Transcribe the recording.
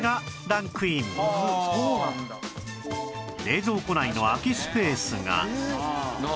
冷蔵庫内の空きスペースが